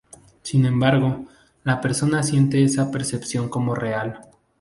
Sin embargo, la persona siente esa percepción como real.